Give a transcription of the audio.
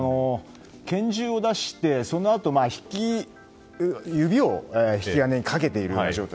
拳銃を出して、そのあと指を引き金にかけている状態。